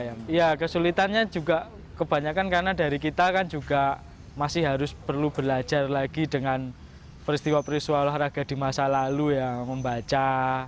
iya kesulitannya juga kebanyakan karena dari kita kan juga masih harus perlu belajar lagi dengan peristiwa peristiwa olahraga di masa lalu ya membaca